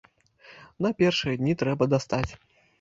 На першыя дні трэба дастаць.